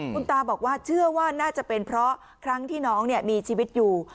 คุณตาบอกว่าเชื่อว่าน่าจะเป็นเพราะครั้งที่น้องมีชีวิตอยู่